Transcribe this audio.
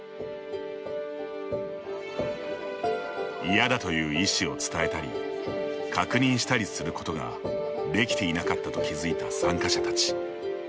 「嫌だ」という意思を伝えたり確認したりすることが出来ていなかったと気付いた参加者たち。